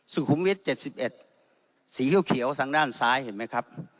สุขุมวิทย์เจ็ดสิบเอ็ดสีเขียวเขียวทางด้านซ้ายเห็นไหมครับ